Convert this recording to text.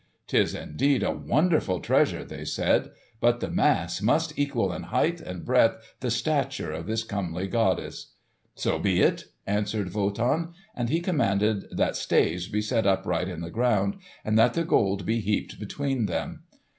"'Tis indeed a wonderful treasure," they said; "but the mass must equal in height and breadth the stature of this comely goddess." "So be it," answered Wo tan, and he commanded that staves be set upright in the ground and that the Gold be heaped between them.